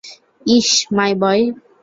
Is my boy!